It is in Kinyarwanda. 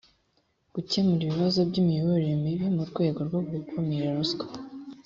gukemura ibibazo by imiyoborere mibi mu rwego rwo gukumira ruswa